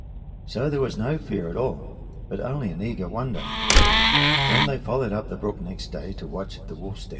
So there was no fear at all, but only an eager wonder, when they followed up the brook next day to watch at the wolf's den.